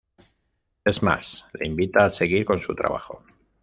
Es más le invita a seguir con su trabajo.